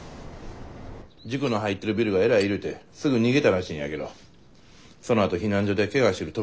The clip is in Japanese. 塾の入ってるビルがえらい揺れてすぐ逃げたらしいんやけどそのあと避難所でケガしてる友達の面倒見とったんやて。